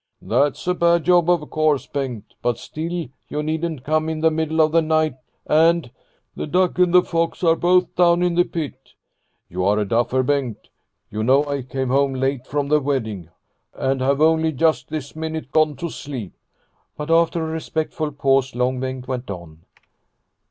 " That's a bad job, of course, Bengt, but still you needn't come in the middle of the night and " I2O Liliecrona's Home " The duck and the fox are both down in the pit. ' You are a duffer, Bengt. You know I came home late from the wedding, and have only just this minute gone to sleep." But after a respectful pause Long Bengt went on.